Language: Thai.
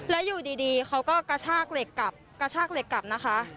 แล้วอยู่ดีเขาก็กระชากเหล็กกลับนะคะ